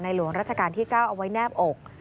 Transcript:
หลวงราชการที่๙เอาไว้แนบอก